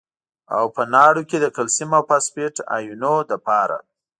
او په لاړو کې د کلسیم او فاسفیټ ایونونو لپاره